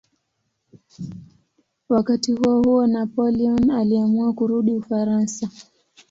Wakati huohuo Napoleon aliamua kurudi Ufaransa.